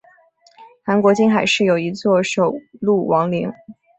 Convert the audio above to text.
韩国金海市有一座首露王陵。